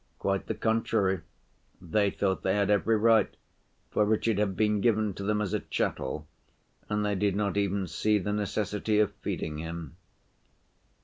Quite the contrary, they thought they had every right, for Richard had been given to them as a chattel, and they did not even see the necessity of feeding him.